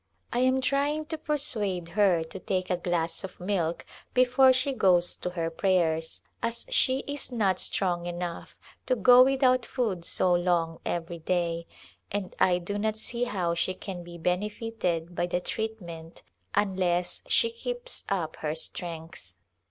I am trying to persuade her to take a glass of milk Call to RajpiUana before she goes to her prayers as she is not strong enough to go without food so long every day, and I do not see how she can be benefited by the treatment unless she keeps up her strength.